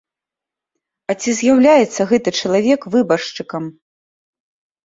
А ці з'яўляецца гэты чалавек выбаршчыкам?